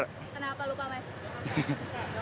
kenapa lupa mas